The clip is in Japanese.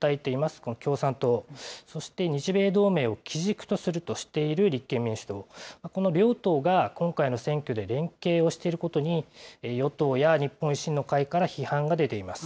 この共産党、そして日米同盟を基軸とするとしている立憲民主党、この両党が今回の選挙で連携をしていることに、与党や日本維新の会から批判が出ています。